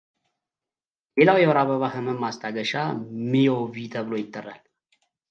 ሌላው የወር አበባ ህመም ማስታገሻ ምዮቪ ተብሎ ይጠራል።